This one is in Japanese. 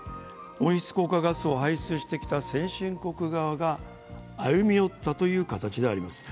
温室効果ガスを排出してきた先進国側が歩み寄ったという形であります。